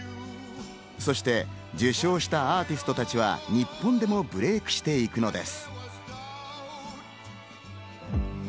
そして受賞したアーティストたちは日本でもブレイクしていくのです。